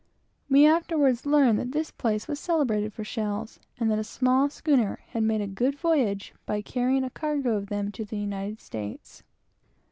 We afterwards learned that this place was celebrated for shells, and that a small schooner had made a good voyage, by carrying a cargo of them to the United States.